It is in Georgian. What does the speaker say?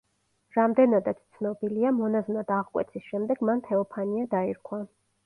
რამდენადაც ცნობილია, მონაზვნად აღკვეცის შემდეგ მან თეოფანია დაირქვა.